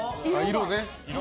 色ね。